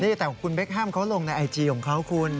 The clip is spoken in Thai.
นี่แต่คุณเบคแฮมเขาลงในไอจีของเขาคุณ